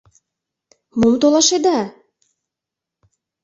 Мом толашеда?..